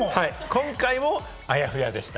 今回もあやふやでした。